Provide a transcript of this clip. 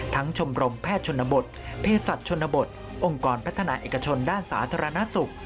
ชมรมแพทย์ชนบทเพศศัตว์ชนบทองค์กรพัฒนาเอกชนด้านสาธารณสุข